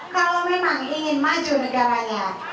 kalau memang ingin maju negaranya